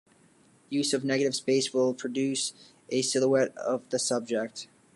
Use of negative space will produce a silhouette of the subject.